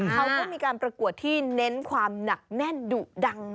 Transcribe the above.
เขาก็มีการประกวดที่เน้นความหนักแน่นดุดัง